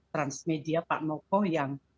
transmedia pak moko yang